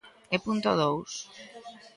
E punto dous.